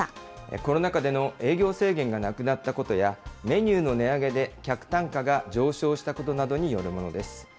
コロナ禍での営業制限がなくなったことや、メニューの値上げで客単価が上昇したことなどによるものです。